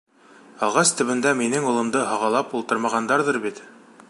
— Ағас төбөндә минең улымды һағалап ултырмағандарҙыр бит?